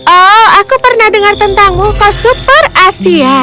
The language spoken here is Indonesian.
oh aku pernah dengar tentangmu ke super asia